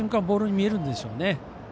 ボールに見えるんでしょうね。